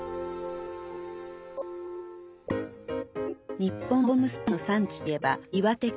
日本のホームスパンの産地といえば岩手県。